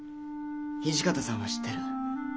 土方さんは知ってる。